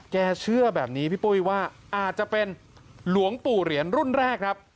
เชื่อแบบนี้พี่ปุ้ยว่าอาจจะเป็นหลวงปู่เหรียญรุ่นแรกครับ